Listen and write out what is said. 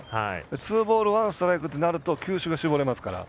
ツーボールワンストライクとなると球種が絞れますから。